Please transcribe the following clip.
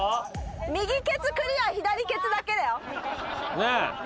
ねえ。